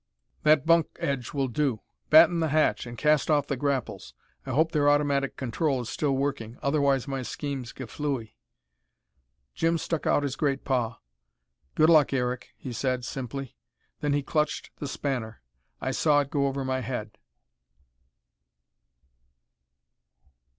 That bunk edge will do. Batten the hatch, and cast off the grapples. I hope their automatic control is still working, otherwise my scheme's gaflooey." Jim stuck out his great paw. "Good luck, Eric," he said, simply. Then he clutched the spanner. I saw it go over my head....